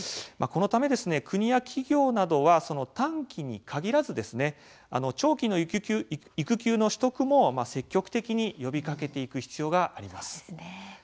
このため国や企業などは短期に限らず長期の育休の取得も積極的に呼びかけていく必要があります。